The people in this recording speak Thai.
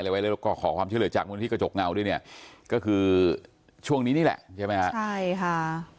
ขอความเชื่อเหลือจากเมื่อนาทีกระจกเงาด้วยก็คือช่วงนี้นี่แหละใช่ไหมครับ